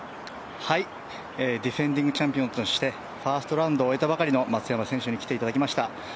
ディフェンディングチャンピオンとしてファーストラウンドを終えたばかりの松山選手に来ていただきました。